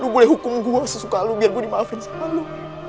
lo boleh hukum gue sesuka lo biar gue dimaafin sama lo